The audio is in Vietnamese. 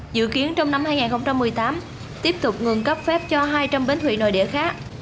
dự kiến trong năm hai nghìn một mươi tám tiếp tục ngừng cấp phép cho hai trăm linh bến thủy nội địa khác